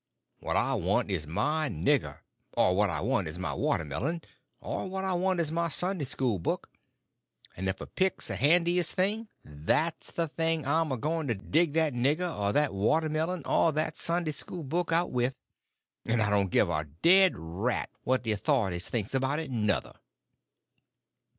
What I want is my nigger; or what I want is my watermelon; or what I want is my Sunday school book; and if a pick's the handiest thing, that's the thing I'm a going to dig that nigger or that watermelon or that Sunday school book out with; and I don't give a dead rat what the authorities thinks about it nuther."